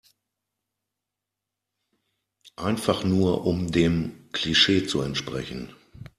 Einfach nur um dem Klischee zu entsprechen.